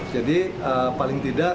jadi paling tidak